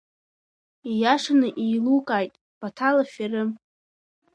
Ииашаны еилукааит, Баҭал, аферым!